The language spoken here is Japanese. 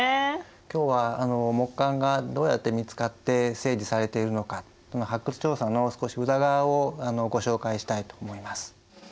今日は木簡がどうやって見つかって整理されているのか発掘調査の少し裏側をご紹介したいと思います。